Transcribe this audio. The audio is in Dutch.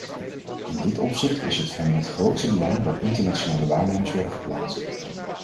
In dit opzicht is het van het grootste belang dat internationale waarnemers worden geplaatst.